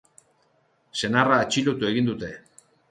Senarra atxilotu egin dute.